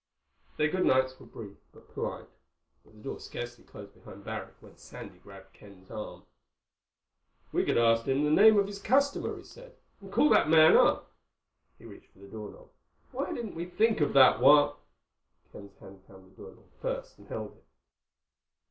Their good nights were brief but polite. But the door had scarcely closed behind Barrack when Sandy grabbed Ken's arm. "We could ask him the name of his customer," he said, "and call the man up." He reached for the doorknob. "Why didn't we think of that while—?" Ken's hand found the doorknob first and held it.